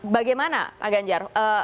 bagaimana pak ganjar